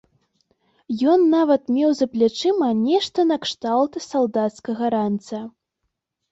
Ён нават меў за плячыма нешта накшталт салдацкага ранца.